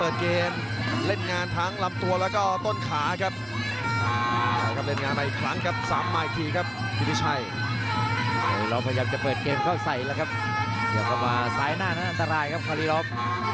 เดี๋ยวเขามาซ้ายหน้านั้นอันตรายครับคอลีรอฟ